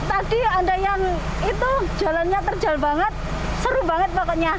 tadi ada yang itu jalannya terjal banget seru banget pokoknya